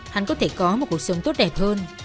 hắn có thể có một cuộc sống tốt đẹp hơn